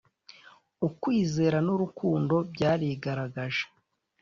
Ukwizera n urukundo byarigaragaje